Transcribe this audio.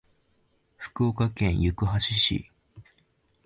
福岡県行橋市